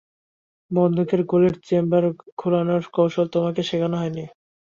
বন্দুকের গুলির চেম্বার ঘুরানোর কৌশল তোমাকে শেখানো হয়নি।